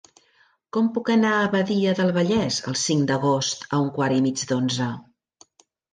Com puc anar a Badia del Vallès el cinc d'agost a un quart i mig d'onze?